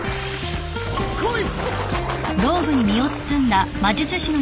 来い！